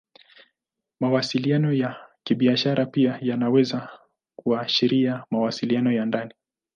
Mawasiliano ya Kibiashara pia yanaweza kuashiria mawasiliano ya ndani.